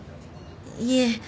いえ。